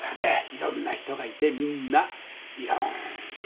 いろんな人がいてみんないろんな事情がある。